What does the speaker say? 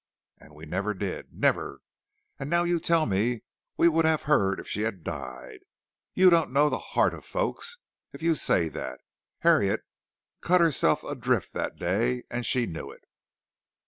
And we never did, never! And now you tell me we would have heard if she had died. You don't know the heart of folks if you say that. Harriet cut herself adrift that day, and she knew it."